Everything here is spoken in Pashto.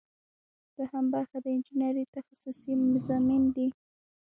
دوهم برخه د انجنیری تخصصي مضامین دي.